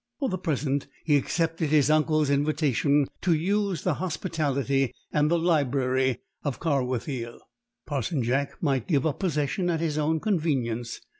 For the present he accepted his uncle's invitation to use the hospitality, and the library, of Carwithiel. Parson Jack might give up possession at his own convenience.